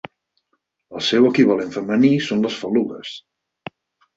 El seu equivalent femení són les falugues.